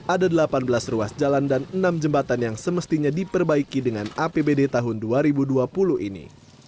ada delapan belas ruas jalan dan enam jembatan yang semestinya diperbaiki dengan apbd tahun dua ribu dua puluh ini